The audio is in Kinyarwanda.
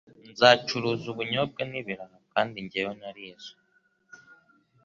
Nzacuruza ubunyobwa n'ibiraha kandi njyewe narize